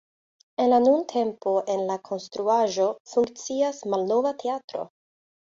En la nuntempo en la konstruaĵo funkcias Malnova Teatro.